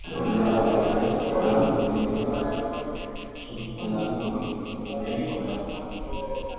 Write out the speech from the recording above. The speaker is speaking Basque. Zein bera baino hobeto horrelako egun batean sorospen lanak nolakoak izaten diren kontatzeko.